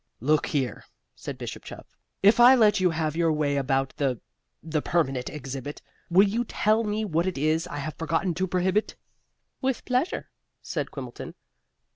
"Look here," said Bishop Chuff, "If I let you have your way about the the Permanent Exhibit, will you tell me what it is I have forgotten to prohibit?" "With pleasure," said Quimbleton.